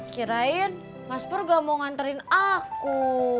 kirain mas pur gak mau nganterin aku